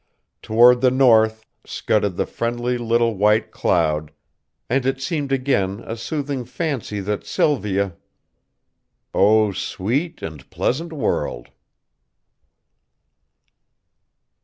Toward the north scudded the friendly little white cloud, and it seemed again a soothing fancy that Sylvia O sweet and pleasant world!